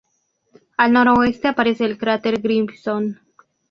Al noroeste aparece el cráter Grissom.